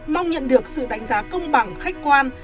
mong nhận được sự đánh giá công bằng khách quan